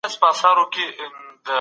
زه د خپلو لاسونو په پاک ساتلو بوخت یم.